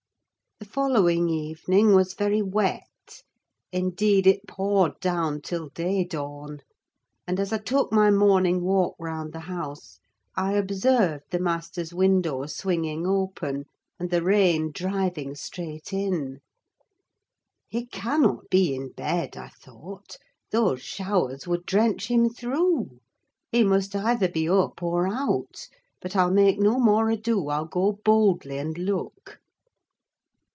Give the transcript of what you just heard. The following evening was very wet: indeed, it poured down till day dawn; and, as I took my morning walk round the house, I observed the master's window swinging open, and the rain driving straight in. He cannot be in bed, I thought: those showers would drench him through. He must either be up or out. But I'll make no more ado, I'll go boldly and look.